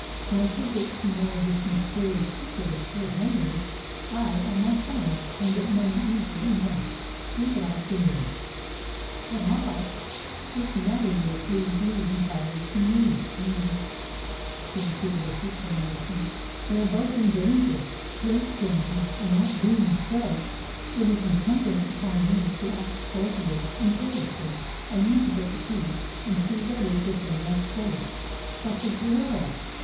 "Once we get to know this mysterious secret of Sir Henry's, I and my friends can get money easily enough. Leave it all to me." "But how " "This matter you will please leave entirely to me, Winnie," he repeated with determination. "We are both in danger great danger; and that being so, it is incumbent upon me to act boldly and fearlessly. I mean to get the key, and see what is within that safe." "But the girl?"